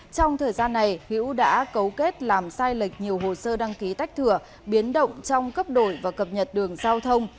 trong thời gian này hữu đã cấu kết làm sai lệch nhiều hồ sơ đăng ký tách thừa biến động trong cấp đổi và cập nhật đường giao thông